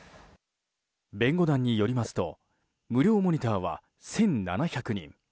弁護団によりますと無料モニターは１７００人。